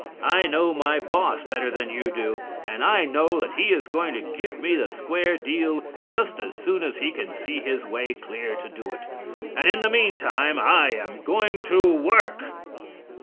I know my boss better than you do, and I know that he is going to give me the square deal just as soon as he can see his way clear to do it. And in the mean time I am going to WORK!'